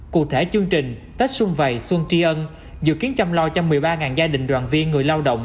cụ thể chương trình tết xuân vầy xuân tri ân dự kiến chăm lo cho một mươi ba gia đình đoàn viên người lao động